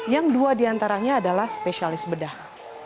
yang dua diantaranya adalah spesialis bedah